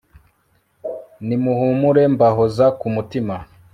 nimuhumure mbahoza ku mutima